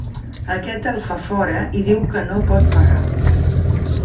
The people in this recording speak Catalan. Aquest el fa fora i diu que no pot pagar.